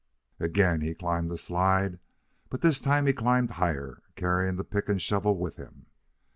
Again he climbed the slide, but this time he climbed higher, carrying the pick and shovel with him.